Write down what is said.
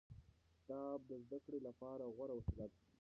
کتاب د زده کړې لپاره غوره وسیله ده.